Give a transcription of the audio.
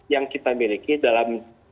yang kita miliki dalam